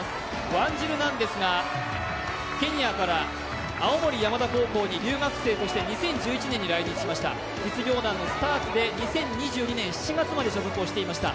ワンジルなんですがケニアから青森山田高校に留学生として２０１１年に来日しました、実業団でスタートして、２０２２年７月まで所属していました。